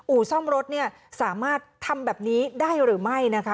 ซ่อมรถเนี่ยสามารถทำแบบนี้ได้หรือไม่นะคะ